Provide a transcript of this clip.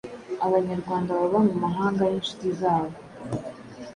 abanyarwanda baba mu mahanga n'inshuti zabo